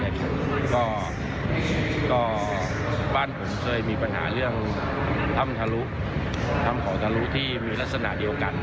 ใช่ครับก็บ้านผมเคยมีปัญหาเรื่องทำทะลุทำของทะลุที่มีลักษณะเดียวกัน